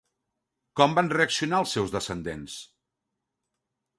Com van reaccionar els seus descendents?